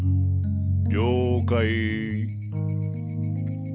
了解。